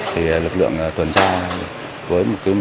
thì lực lượng tuần tra với một cái mục đích